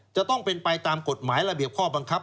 จะต้องเป็นไปตามกฎหมายระเบียบข้อบังคับ